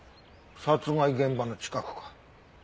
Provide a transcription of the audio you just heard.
殺害現場の近くか。